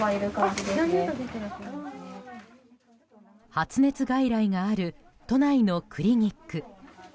発熱外来がある都内のクリニック。